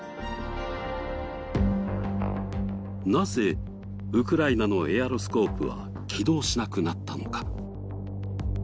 なぜウクライナのエアロスコープは起動しなくなったのか。